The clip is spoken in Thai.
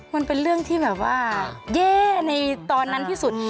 มันเป็นเรื่องที่แบบว่าแย่ในตอนนั้นที่สุด